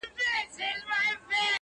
په دې تاریکو افسانو کي ریشتیا ولټوو-